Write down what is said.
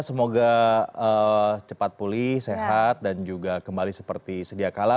semoga cepat pulih sehat dan juga kembali seperti sedia kala